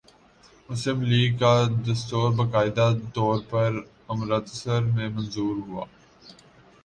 مسلم لیگ کا دستور باقاعدہ طور پر امرتسر میں منظور ہوا